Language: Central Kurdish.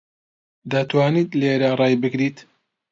دەتوانیت لێرە ڕای بگریت؟